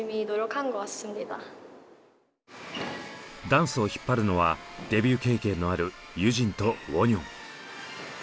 ダンスを引っ張るのはデビュー経験のあるユジンとウォニョン。